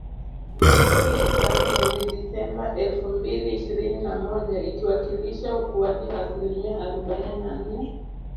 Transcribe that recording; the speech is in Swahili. Tisa mwezi Disemba elfu mbili ishirini na moja , ikiwasilisha ukuaji wa asilimia arubaini na nne